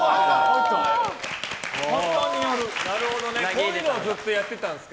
こういうのをずっとやってたんですか。